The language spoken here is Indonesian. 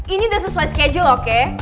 ini udah sesuai schedule oke